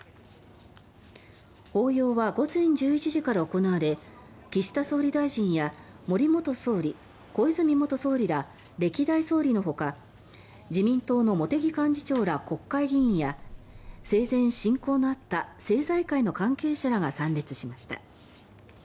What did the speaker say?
法要は午前１１時から行われ岸田総理大臣や森元総理、小泉元総理ら歴代総理のほか自民党の茂木幹事長ら国会議員や生前親交のあった政財界の関係者らが参列しました。